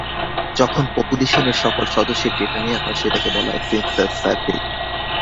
যখন পপুলেশনের সকল সদস্যের ডেটা নেয়া হয় সেটাকে বলা হয় সেন্সাস সার্ভে।